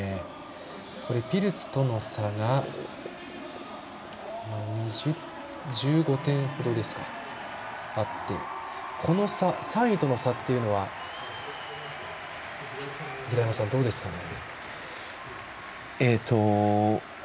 これ、ピルツとの差が１５点ほどあってこの差、３位との差というのは平山さん、どうでしょうかね。